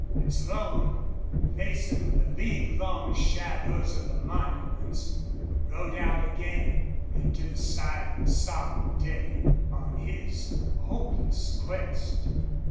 And Slone, facing the league long shadows of the monuments, rode out again into the silent, solemn day, on his hopeless quest.